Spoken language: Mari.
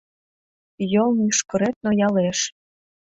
Йолмӱшкырет ноялеш.